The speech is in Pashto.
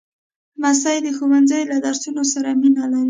لمسی د ښوونځي له درسونو سره مینه لري.